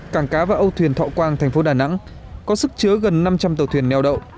cảng cá và âu thuyền thọ quang thành phố đà nẵng có sức chứa gần năm trăm linh tàu thuyền neo đậu